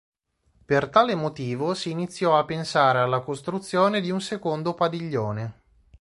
Per tale motivo si iniziò a pensare alla costruzione di un secondo padiglione.